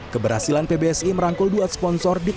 keberhasilan pbsi merangkul dua sponsor